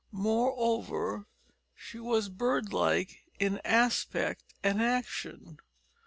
Moreover, she was bird like in aspect and action.